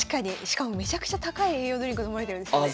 しかもめちゃくちゃ高い栄養ドリンク飲まれてるんですよね。